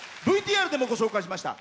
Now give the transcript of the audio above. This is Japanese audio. ＶＴＲでご紹介しました。